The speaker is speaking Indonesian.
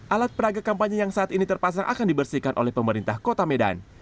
alat peraga kampanye yang saat ini terpasang akan dibersihkan oleh pemerintah kota medan